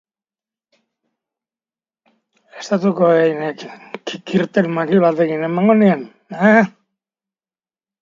Estatua, zuzentarau transposizioaren azken fasean dago oraindik.